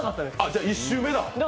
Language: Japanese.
じゃ、１周目だ。